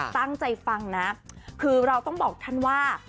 ตั้งใจฟังนะคือเราต้องบอกท่านว่า